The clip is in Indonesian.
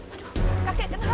aduh kakek kenapa